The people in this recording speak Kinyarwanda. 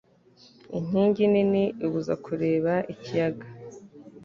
Inkingi nini ibuza kureba ikiyaga.